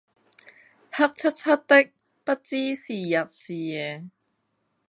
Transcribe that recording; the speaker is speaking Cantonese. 黑漆漆的，不知是日是夜。